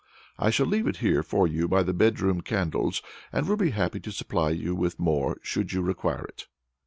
I shall leave it here for you by the bedroom candles, and will be happy to supply you with more, should you require it."